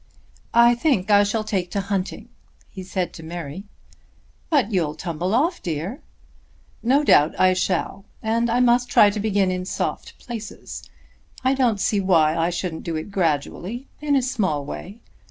"I think I shall take to hunting," he said to Mary. "But you'll tumble off, dear." "No doubt I shall, and I must try to begin in soft places. I don't see why I shouldn't do it gradually in a small way.